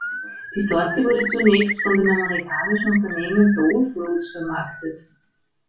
Die Sorte wurde zunächst von dem amerikanischen Unternehmen Dole Fruits vermarktet.